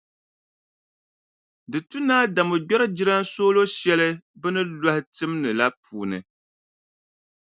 Di tu ni Adamu gbɛri jilansooro shɛli bɛ ni lɔhi tim ni la puuni.